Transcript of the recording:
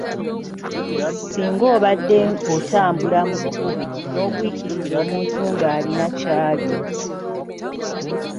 Singa obadde otambula mu kkubo n'ogwiikiriza omuntu ng'alina ky’alya.